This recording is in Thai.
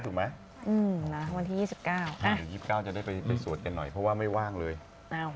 อืมยี่สิบเก้าจะได้ไปไปสวดกันหน่อยเพราะว่าไม่ว่างเลยเอ้า